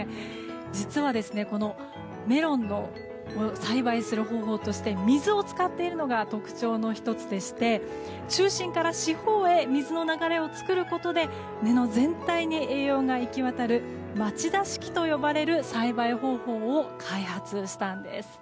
実は、このメロンの栽培する方法として水を使っているのが特徴の１つでして中心から四方へ水の流れを作ることで根の全体に栄養が行きわたる町田式といわれる栽培方法を開発しているんです。